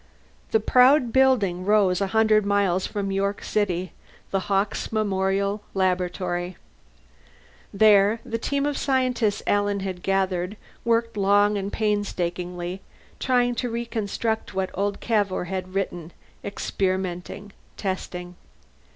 The proud building rose a hundred miles from York City: The Hawkes Memorial Laboratory. There, the team of scientists Alan had gathered worked long and painstakingly, trying to reconstruct what old Cavour had written, experimenting, testing.